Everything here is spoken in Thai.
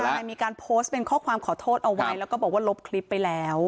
ก็เลยมีการโพสต์เป็นข้อความขอโทษเอาไว้แล้วก็บอกว่าลบคลิปไปแล้ว